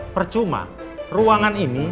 percuma ruangan ini